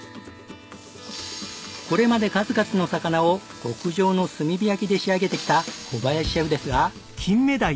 これまで数々の魚を極上の炭火焼きで仕上げてきた小林シェフですが。